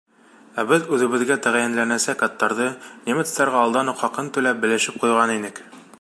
Ә беҙ үҙебеҙгә тәғәйенләнәсәк аттарҙы, немецтарға алдан уҡ хаҡын түләп, белешеп ҡуйған инек.